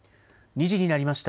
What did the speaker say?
２時になりました。